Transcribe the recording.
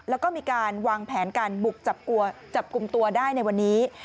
แล้วก็มีการวางแผนการบุกจับกลุ่มตัวได้ในวันนี้